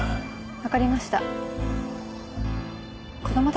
わかりました。